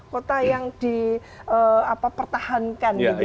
kota yang dipertahankan